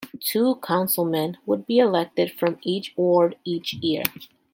Two councilmen would be elected from each ward each year.